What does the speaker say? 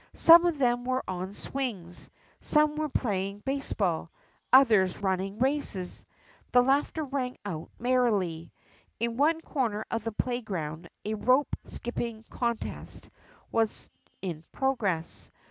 Some of them were on swings, some were playing baseball, others were running races. Their laughter rang out merrily. In one corner of the playground a rope skipping contest was in progress.